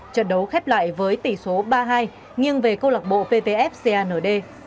trận đấu khép lại với tỷ số ba hai nghiêng về câu lạc bộ pvf cand